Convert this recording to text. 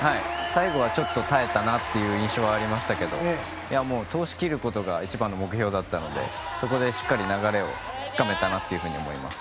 最後はちょっと耐えたなという印象はありましたけどもう通し切ることが一番の目標だったのでそこで流れをつかめたなと思います。